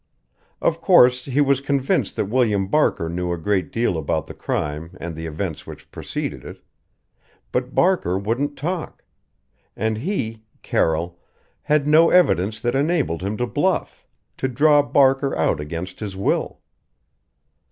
Of course, he was convinced that William Barker knew a great deal about the crime and the events which preceded it; but Barker wouldn't talk and he, Carroll, had no evidence that enabled him to bluff, to draw Barker out against his will.